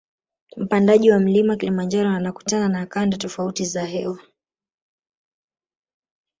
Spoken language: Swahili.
Mpandaji wa mlima kilimanjaro anakutana na kanda tofauti za hewa